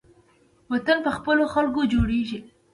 وطن په خپلو خلکو جوړیږي